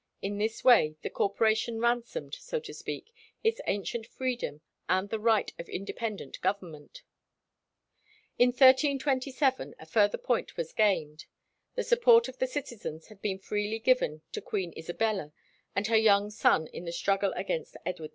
In this way the Corporation ransomed, so to speak, its ancient freedom and the right of independent government. In 1327 a further point was gained. The support of the citizens had been freely given to Queen Isabella and her young son in the struggle against Edward II.